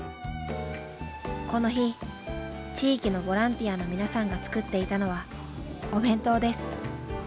この日地域のボランティアの皆さんが作っていたのはお弁当です。